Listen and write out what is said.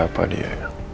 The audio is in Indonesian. siapa dia ya